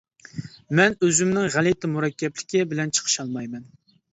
مەن ئۆزۈمنىڭ غەلىتە مۇرەككەپلىكى بىلەن چىقىشالايمەن.